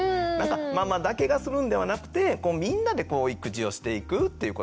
ママだけがするんではなくてみんなで育児をしていくということ。